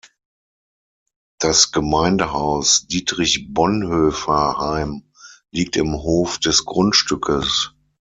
Das Gemeindehaus Dietrich-Bonhoeffer-Heim liegt im Hof des Grundstückes.